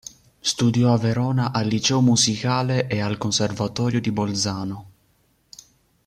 Studiò a Verona al Liceo Musicale e al Conservatorio di Bolzano.